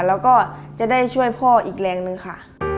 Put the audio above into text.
แล้วก็จะได้ช่วยพ่ออีกแรงนึงค่ะ